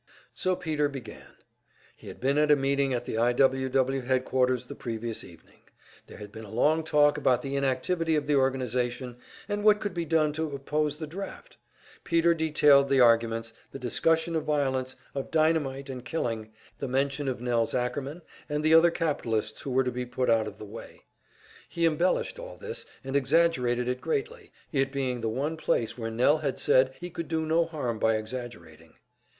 So Peter began. He had been at a meeting at the I. W. W. headquarters the previous evening. There had been a long talk about the inactivity of the organization, and what could be done to oppose the draft. Peter detailed the arguments, the discussion of violence, of dynamite and killing, the mention of Nelse Ackerman and the other capitalists who were to be put out of the way. He embellished all this, and exaggerated it greatly it being the one place where Nell had said he could do no harm by exaggerating.